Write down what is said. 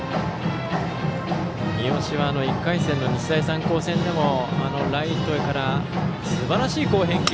三好は１回戦の日大三高戦でもライトからすばらしい好返球。